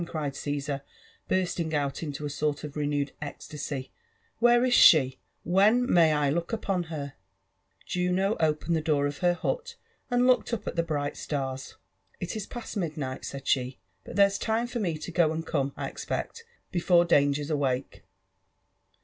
cried Caesar, bursting out into a sort of renewed ecstasy »—" Where is she? ^wbeu may I look upon herf Juno opened the door of her hut and looked up at the bright Itam. y It is past midnight/' said she, but there's time for me to go and come, I expect^ before dangers awake.